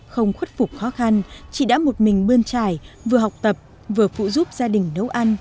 không khuất phục khó khăn chị đã một mình bơn trải vừa học tập vừa phụ giúp gia đình nấu ăn